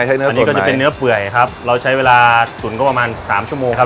ใช้เนื้ออันนี้ก็จะเป็นเนื้อเปื่อยครับเราใช้เวลาตุ๋นก็ประมาณสามชั่วโมงครับ